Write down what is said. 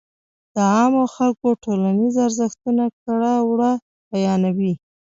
د عامو خلکو ټولنيز ارزښتونه ،کړه وړه بيان وي.